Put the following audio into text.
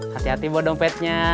hati hati buat dompetnya